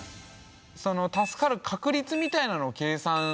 その助かる確率みたいなのを計算しました。